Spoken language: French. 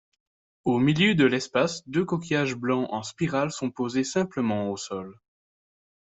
Au milieu de l’espace deux coquillages blanc en spirale sont posés simplement au sol.